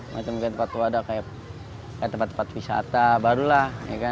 masam masam tempat wadah kayak tempat tempat wisata baru lah